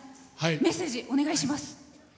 メッセージ、お願いします。